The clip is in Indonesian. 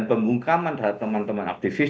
dan pembukaan mandalan teman teman aktifis